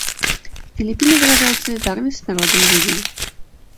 Филиппины выражают солидарность с народом Ливии.